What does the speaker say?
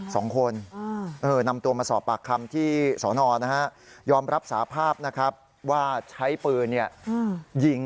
สองคนนำตัวมาสอบปากคำที่สนยอมรับสาภาพว่าใช้ปืนยิง